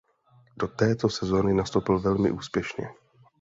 Do této sezóny nastoupil velmi úspěšně.